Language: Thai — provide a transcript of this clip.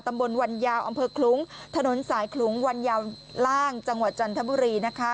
ตำบลวันยาวอคลุ้งถนนสายคลุ้งวันยาวล่างจังหวะจันทบุรี